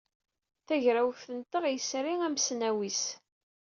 Tagrawt-nteɣ yesri amesnasiw.